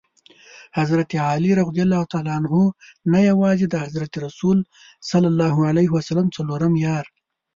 حضرت علي رض نه یوازي د حضرت رسول ص څلورم یار.